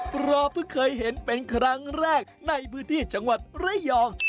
เพราะเพิ่งเคยเห็นเป็นครั้งแรกในพื้นที่จังหวัดระยอง